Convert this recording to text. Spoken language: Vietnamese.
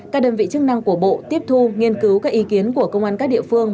các đơn vị chức năng của bộ tiếp thu nghiên cứu các ý kiến của công an các địa phương